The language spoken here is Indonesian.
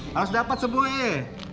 harus dapat sebuah ya